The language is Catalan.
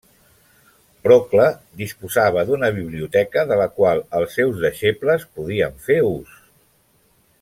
Procle disposava d'una biblioteca de la qual els seus deixebles podien fer ús.